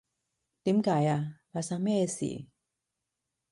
點解呀？發生咩事？